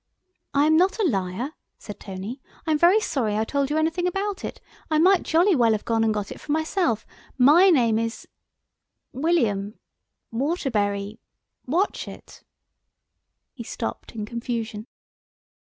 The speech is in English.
"I am not a liar," said Tony; "I am very sorry I told you anything about it; I might jolly well have gone and got it for myself. My name is——William——Waterbury——Watchett." He stopped in confusion.